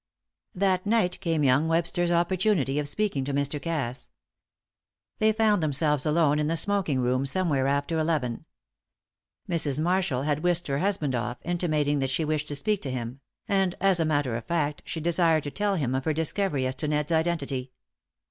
That night came young Webster's opportunity of speaking to Mr. Cass. They found themselves alone in the smoking room somewhere after eleven. Mrs. Marshall had whisked her husband off, intimating that she wished to speak to him; and as a matter of fact she desired to tell him of her discovery as to Ned's identity.